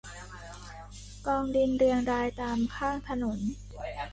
กองดินเรียงรายตามข้างถนน